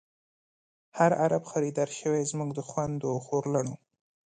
هر عرب خریدار شوۍ، زمونږ د خوندو او خور لڼو